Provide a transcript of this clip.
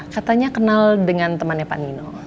katanya kenal dengan temannya pak nino